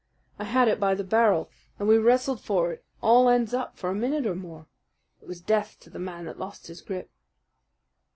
I had it by the barrel, and we wrestled for it all ends up for a minute or more. It was death to the man that lost his grip.